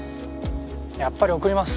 やっぱり送ります。